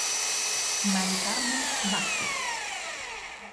Mari Carmen Vázquez.